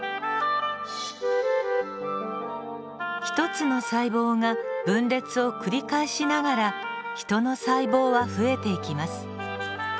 １つの細胞が分裂を繰り返しながらヒトの細胞は増えていきます。